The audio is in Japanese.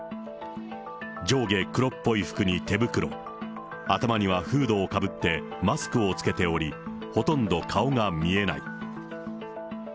上下黒っぽい服に手袋、頭にはフードをかぶって、マスクを着けており、ほとんど顔が見えない。